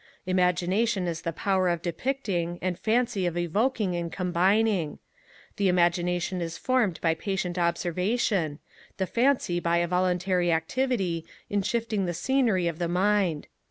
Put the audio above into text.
Imagination is the power of depicting, and fancy of evoking and combining. The imagination is formed by patient observation; the fancy by a voluntary activity in shifting the scenery of the mind.